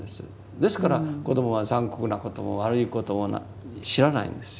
ですから子どもは残酷なことも悪いことも知らないんですよ。